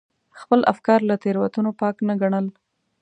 خپل افکار له تېروتنو پاک نه ګڼل.